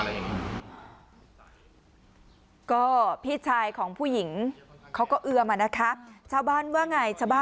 คือพี่ชายของผู้หญิง